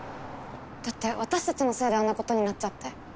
だって私たちのせいであんなことになっちゃって。